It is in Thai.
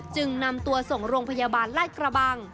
จึงนำตัวส่งโรงพยาบาลลาดกระบัง